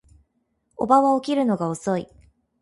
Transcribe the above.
叔母は起きるのが遅い